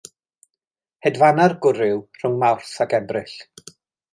Hedfana'r gwryw rhwng Mawrth ac Ebrill.